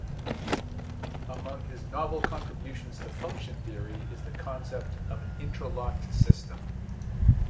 Among his novel contributions to function theory is the concept of an "interlocked system".